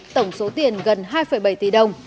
tổng số tiền gần hai bảy tỷ đồng